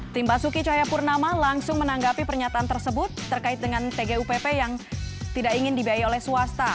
tim basuki cahayapurnama langsung menanggapi pernyataan tersebut terkait dengan tgupp yang tidak ingin dibiayai oleh swasta